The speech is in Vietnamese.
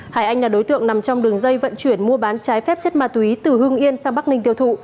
hải anh là đối tượng nằm trong đường dây vận chuyển mua bán trái phép chất ma túy từ hương yên sang bắc ninh tiêu thụ